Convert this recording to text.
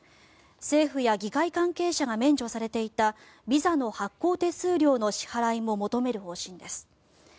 政府や議会関係者が免除されていたビザの発行手数料の支払いも求める方針です。